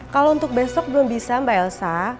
kalau untuk besok belum bisa mbak elsa